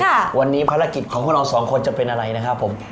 ค่ะวันนี้ภารกิจของพวกเราสองคนจะเป็นอะไรนะครับผม